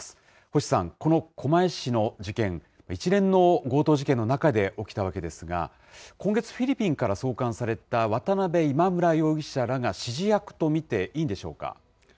星さん、この狛江市の事件、一連の強盗事件の中で起きたわけですが、今月フィリピンから送還された渡邉、今村容疑者らが、指示役と見ていいんでしょうか。